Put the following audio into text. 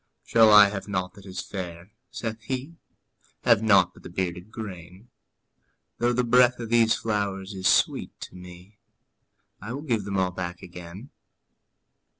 ``Shall I have nought that is fair?'' saith he; ``Have nought but the bearded grain? Though the breath of these flowers is sweet to me, I will give them all back again.''